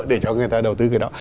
để cho người ta đầu tư cái đó